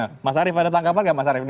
nah mas arief ada tangkapan gak mas arief